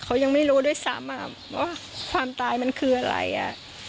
เขายังไม่รู้ด้วยซ้ำอ่ะว่าความตายมันคืออะไรอ่ะ